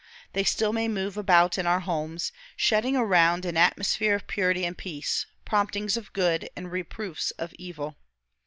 They still may move about in our homes, shedding around an atmosphere of purity and peace, promptings of good, and reproofs of evil.